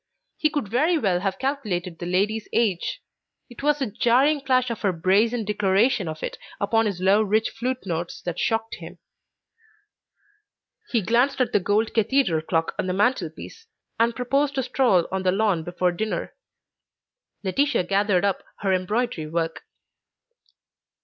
He could very well have calculated the lady's age. It was the jarring clash of her brazen declaration of it upon his low rich flute notes that shocked him. He glanced at the gold cathedral clock on the mantel piece, and proposed a stroll on the lawn before dinner. Laetitia gathered up her embroidery work.